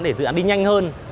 để dự án đi nhanh hơn